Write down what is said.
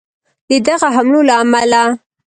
د دغه حملو له امله